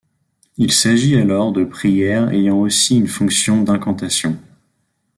Il s'agit alors de prières ayant aussi une fonction d'incantation.